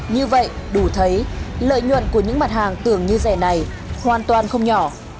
như vậy đủ thấy lợi nhuận của những mặt hàng tưởng như rẻ này hoàn toàn không nhỏ